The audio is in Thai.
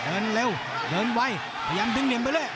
เดินเร็วเดินไวพยายามดึงเหลี่ยมไปเรื่อย